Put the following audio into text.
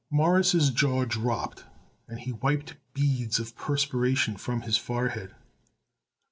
Morris' jaw dropped and he wiped beads of perspiration from his forehead.